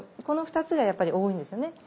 この２つがやっぱり多いんですよね。